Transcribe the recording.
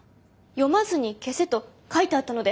「読まずに消せ」と書いてあったので。